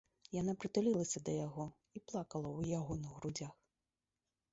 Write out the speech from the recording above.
Яна прытулілася да яго, плакала ў яго на грудзях.